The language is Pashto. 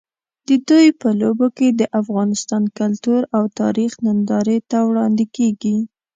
د دوی په لوبو کې د افغانستان کلتور او تاریخ نندارې ته وړاندې کېږي.